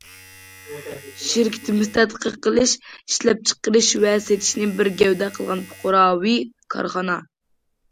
شىركىتىمىز تەتقىق قىلىش، ئىشلەپچىقىرىش ۋە سېتىشنى بىر گەۋدە قىلغان پۇقراۋى كارخانا.